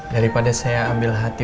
daripada saya ambil hati